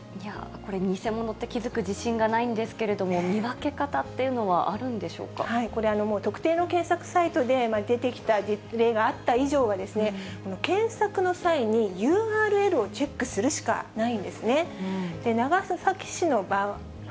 これ、偽物って気付く自信がないんですけれども、見分け方っていうのはこれ、特定の検索サイトで出てきた例があった以上は、検索の際にＵＲＬをチェックするしかないんですね。